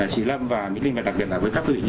chị lâm và mỹ linh và đặc biệt là với các người